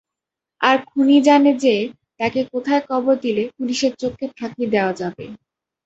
আর খুনি জানে যে, তাকে কোথায় কবর দিলে পুলিশের চোখকে ফাঁকি দেয়া যাবে।